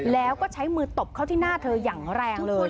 แล้วก็ใช้มือตบเข้าที่หน้าเธออย่างแรงเลย